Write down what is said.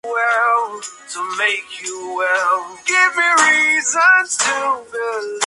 Recibió poca cobertura mediática.